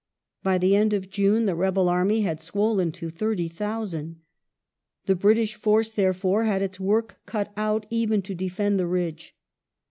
By the end of June the rebel army had swollen to 30,000 ; the British force, therefore, had its work cut out even to defend the ridge.